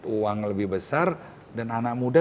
uang lebih besar dan anak muda